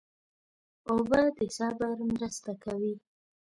اوبه د صبر مرسته کوي.